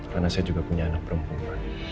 karena saya juga punya anak perempuan